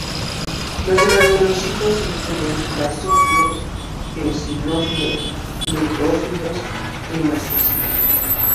Los granulocitos incluyen basófilos, eosinófilos, neutrófilos y mastocitos.